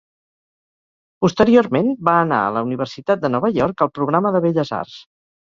Posteriorment va anar a la universitat de Nova York al programa de Belles arts.